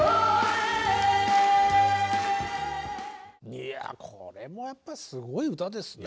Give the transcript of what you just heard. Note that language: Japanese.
いやこれもやっぱりすごい歌ですね。